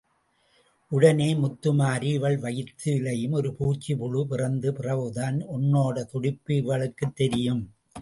உடனே முத்துமாரி இவள் வயித்துலயும் ஒரு பூச்சி புழு பிறந்த பிறவுதான், ஒன்னோட துடிப்பு இவளுக்குத் தெரியும்.